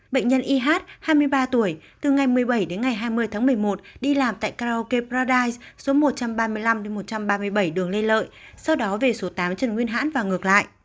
bệnh nhân ih hai mươi ba tuổi từ ngày một mươi bảy đến ngày hai mươi tháng một mươi một đi làm tại karaoke pradise số một trăm ba mươi năm một trăm ba mươi bảy đường lê lợi sau đó về số tám trần nguyên hãn và ngược lại